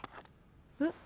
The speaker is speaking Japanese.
えっ？